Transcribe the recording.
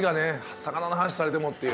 魚の話されてもっていう。